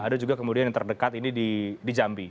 ada juga kemudian yang terdekat ini di jambi